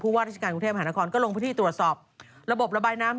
ว่าราชการกรุงเทพหานครก็ลงพื้นที่ตรวจสอบระบบระบายน้ำ